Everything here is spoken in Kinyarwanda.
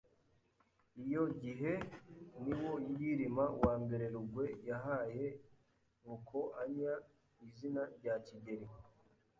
Iyo gihe ni wo yilima I Rugwe yahaye Mukoanya izina rya Kigeli